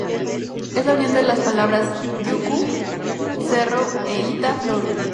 Es la unión de las palabras "yúcu"=cerro e "ita"=flor.